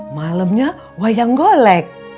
malemnya wayang golek